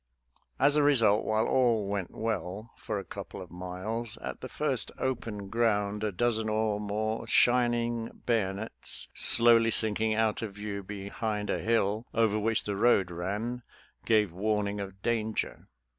As a result, while all went well for a couple of miles, at the first open ground a dozen or more shining bayonets slowly sinking out of view be hind a hill over which the road ran, gave warn ing of danger.